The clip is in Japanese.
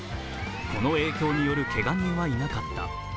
この影響によるけが人はいなかった。